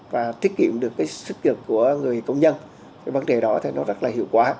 và thiết kiệm được sức kiệm của người công nhân vấn đề đó rất là hiệu quả